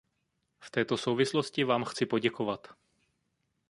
V této souvislosti vám chci poděkovat.